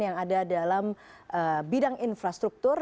yang ada dalam bidang infrastruktur